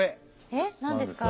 えっ何ですか？